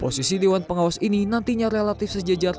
posisi dewan pengawas ini nantinya relatif sejajar